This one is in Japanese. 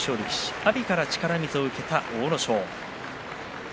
阿炎から力水を受けた阿武咲。